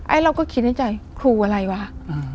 เอ๊ะเราก็คิดในใจครูอะไรวะอืม